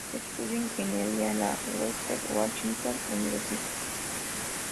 Estudió ingeniería en la Western Washington University.